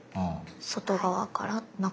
外側から中か。